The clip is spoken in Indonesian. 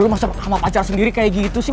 masa sama pacar sendiri kayak gitu sih